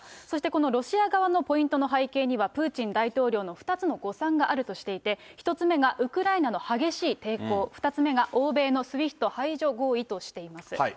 そしてこのロシア側のポイントの背景には、プーチン大統領の２つの誤算があるとしていて、１つ目がウクライナの激しい抵抗、２つ目が欧米のＳＷＩＦＴ排除合意としています。